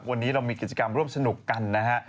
วันนี้เรามีกิจกรรมร่วมสนุกกันนะฮะ